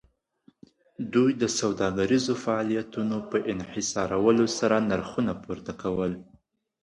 دوی د سوداګریزو فعالیتونو په انحصارولو سره نرخونه پورته کول